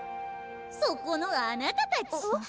・そこのあなたたち！あっ。